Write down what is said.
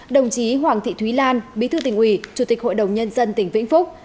đồng chí hoàng thị thúy lan bí thư tỉnh ủy chủ tịch hội đồng nhân dân tỉnh vĩnh phúc